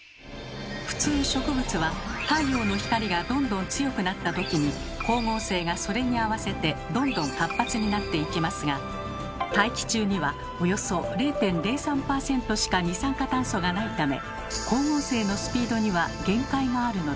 普通植物は太陽の光がどんどん強くなったときに光合成がそれに合わせてどんどん活発になっていきますが大気中にはおよそ０．０３％しか二酸化炭素がないため光合成のスピードには限界があるのです。